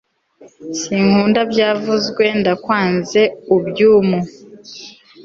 sinkunda, byavuzwe, ndakwanze ubyum